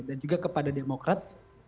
dan juga kepada demokrat